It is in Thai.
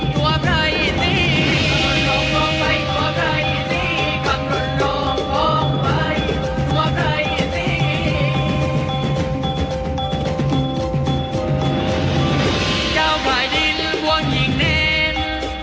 เจ้าคลายดินหวงหญิงแนน